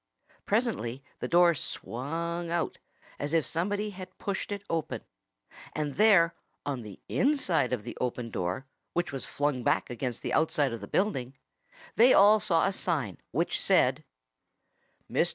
Presently the door swung out, as if somebody had pushed it open. And there, on the inside of the open door, which was flung back against the outside of the building, they all saw a sign, which said: MR.